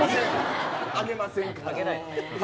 挙げませんから。